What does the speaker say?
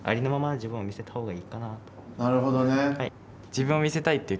なるほどね。